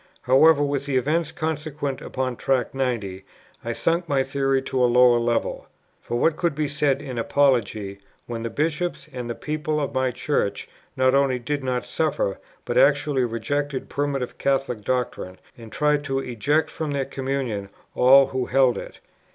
However, with the events consequent upon Tract 90, I sunk my theory to a lower level. For what could be said in apology, when the Bishops and the people of my Church, not only did not suffer, but actually rejected primitive Catholic doctrine, and tried to eject from their communion all who held it?